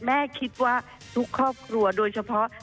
แม่คิดว่าทุกครอบครัวโดยเฉพาะ